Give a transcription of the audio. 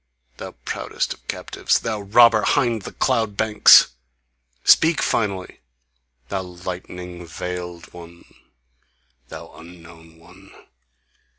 Thy proudest of captives, Thou robber 'hind the cloud banks... Speak finally! Thou lightning veiled one! Thou unknown one!